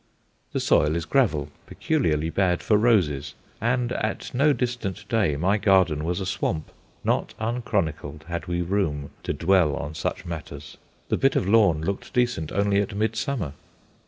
The soil is gravel, peculiarly bad for roses; and at no distant day my garden was a swamp, not unchronicled had we room to dwell on such matters. The bit of lawn looked decent only at midsummer.